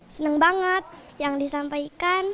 senang banget yang disampaikan